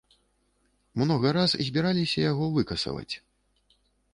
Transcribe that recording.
Многа раз збіраліся яго выкасаваць.